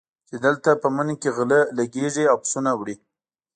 چې دلته په مني کې غله لګېږي او پسونه وړي.